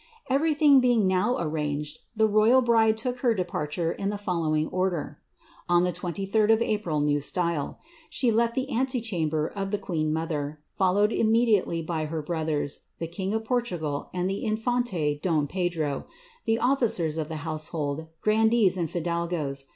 Everything being now arranged, the royal bride took her departors in the following order, on the 23d of April, N. S. She left the ante chamber of the queen mother, followed immediately by her brothers, the king of Portugal, and the infante, don Pedro, the officers of the household, grandees, and fidalgoes.